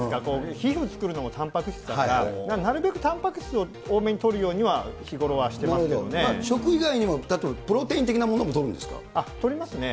皮膚作るのもたんぱく質だから、なるべくたんぱく質を多めにとる食以外にも、例えばプロテイとりますね。